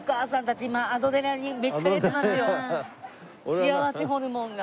幸せホルモンが。